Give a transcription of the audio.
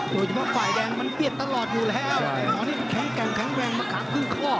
โดยเฉพาะฝ่ายแดงมันเปรียบตลอดอยู่แล้ว